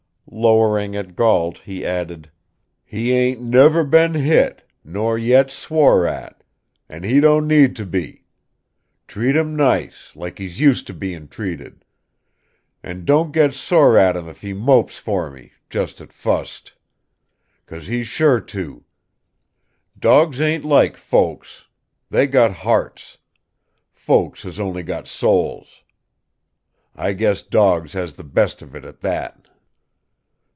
Lowering at Gault, he added: "He ain't never been hit, nor yet swore at. An' he don't need to be. Treat him nice, like he's used to bein' treated. An' don't get sore on him if he mopes fer me, jes' at fust. Because he's sure to. Dogs ain't like folks. They got hearts. Folks has only got souls. I guess dogs has the best of it, at that."